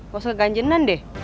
gak usah keganjenan deh